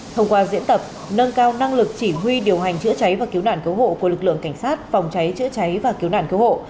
thông qua diễn tập nâng cao năng lực chỉ huy điều hành chữa cháy và cứu nạn cứu hộ của lực lượng cảnh sát phòng cháy chữa cháy và cứu nạn cứu hộ